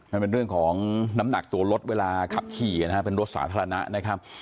มันเป็นเรื่องของน้ำหนักตัวรถเวลาขับขี่นะฮะเป็นรถสาธารณะนะครับ